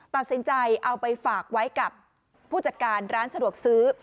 ตัดสินใจเอาไปฝากไว้กับผู้จัดการร้านสะดวกซื้อ